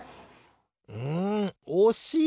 うんおしい。